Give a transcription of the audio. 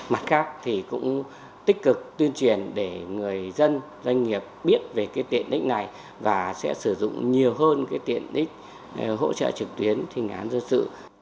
mặt khác thì cũng tích cực tuyên truyền để người dân doanh nghiệp biết về tiện lĩnh này và sẽ sử dụng nhiều hơn tiện lĩnh hỗ trợ trực tuyến thi hành án dân sự